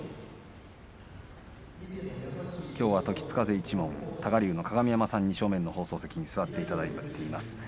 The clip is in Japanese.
きょうは時津風一門多賀竜の鏡山さんに正面の放送席に座っていただいています。